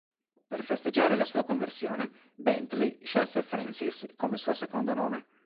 Per festeggiare la sua conversione Bentley scelse Francis come suo secondo nome.